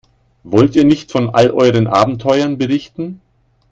Wollt ihr nicht von all euren Abenteuern berichten?